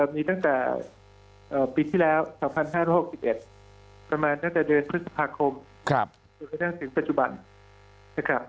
มีตั้งแต่ปีที่แล้ว๒๕๖๑ประมาณเนื้อเดือนพฤษภาคมถึงปัจจุบันนะครับ